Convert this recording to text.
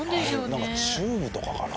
なんかチューブとかかな？